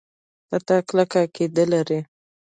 په تا کلکه عقیده لري.